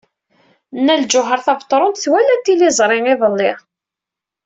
Nna Lǧuheṛ Tabetṛunt twala tiliẓri iḍelli.